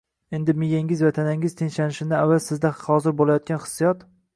Endi miyangiz va tanangiz tinchlanishidan avval sizda hozir bo’layotgan hissiyot